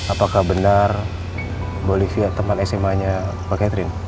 apakah benar mbak olivia teman sma nya pak catherine